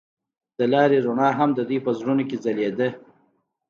د لاره رڼا هم د دوی په زړونو کې ځلېده.